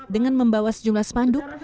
dengan membawa sejumlah spanduk